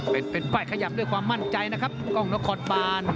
เป็นป้ายขยับด้วยความมั่นใจนะครับกล้องนครบาน